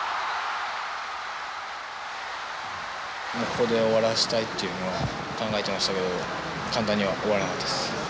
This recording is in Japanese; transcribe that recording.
ここで終わらせたいっていうのは考えてましたけど簡単には終わらなかったです。